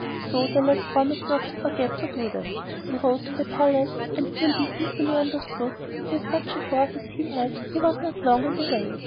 So the lad promised not to forget to do that. He rode to the palace, and it will be easily understood that with such a horse as he had he was not long on the way.